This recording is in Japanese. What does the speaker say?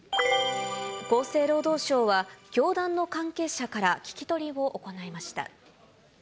厚生労働省は、教団の関係者から聞き取りを行いました。